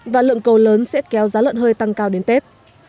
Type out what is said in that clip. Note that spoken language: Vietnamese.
và lượng cầu lớn sẽ kéo giá lợn hơi tăng cao đến tết